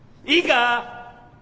いいか？